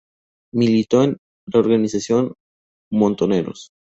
Militó en la organización Montoneros.